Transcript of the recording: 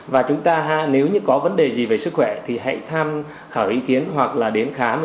và chúng ta nếu như có vấn đề gì về sức khỏe thì hãy tham khảo ý kiến hoặc là đến khám